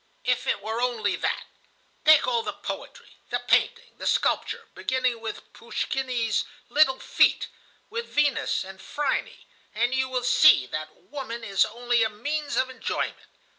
"If it were only that! Take all the poetry, the painting, the sculpture, beginning with Pouschkine's 'Little Feet,' with 'Venus and Phryne,' and you will see that woman is only a means of enjoyment.